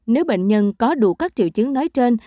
nếu bệnh nhân có đủ các triệu chứng nói trên